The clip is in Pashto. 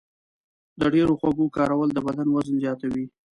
د ډېرو خوږو کارول د بدن وزن زیاتوي.